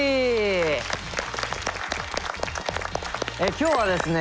今日はですね